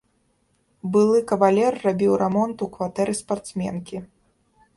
Былы кавалер рабіў рамонт у кватэры спартсменкі.